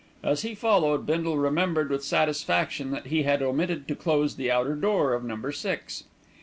As he followed, Bindle remembered with satisfaction that he had omitted to close the outer door of Number Six.